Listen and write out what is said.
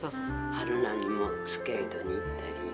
はるなにもスケートに行ったり。